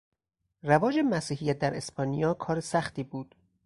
رواج مسیحیت در اسپانیا کار سختی بود.